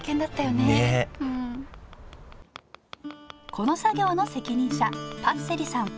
この作業の責任者パッセリさん。